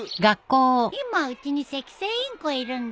今うちにセキセイインコいるんだ。